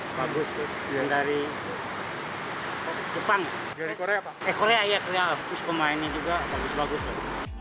eh korea iya bagus pemainnya juga bagus bagus